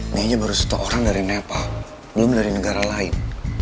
ini aja baru satu orang dari nepal belum dari negara lain